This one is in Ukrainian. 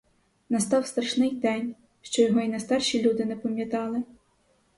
Настав страшний день, що його й найстарші люди не пам'ятали.